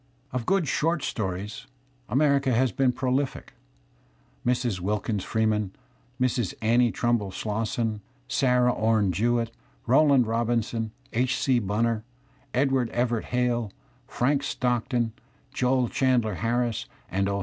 Of good short stories America has been prolific. Mrs. Wilkins Freeman, Mrs. Annie Trumbull Slosson, Sarah Ome Jewett, Rowland Robinson, H. C. Bunner, Edward Everett Hale, Frank Stock ton, Joel Chandler Harris, and "O.